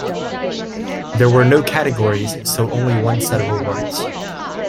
There were no categories, so only one set of awards.